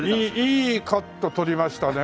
いいカット撮りましたね。